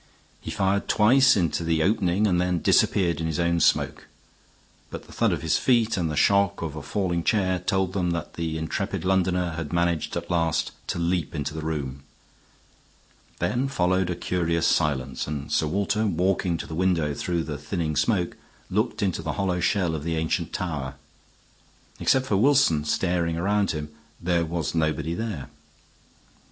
He fired twice into the opening and then disappeared in his own smoke; but the thud of his feet and the shock of a falling chair told them that the intrepid Londoner had managed at last to leap into the room. Then followed a curious silence; and Sir Walter, walking to the window through the thinning smoke, looked into the hollow shell of the ancient tower. Except for Wilson, staring around him, there was nobody there.